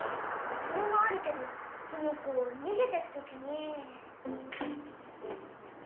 それもあるけどそのこにげてくときに。